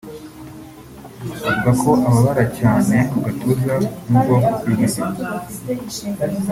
avuga ko ababara cyane mu gatuza n’ukuboko kw’iburyo